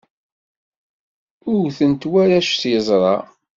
Wten-t warrac s yiẓra.